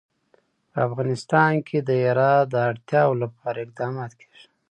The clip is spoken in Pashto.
په افغانستان کې د هرات د اړتیاوو لپاره اقدامات کېږي.